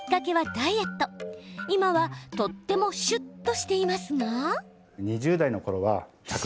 今はとってもしゅっとしていますが。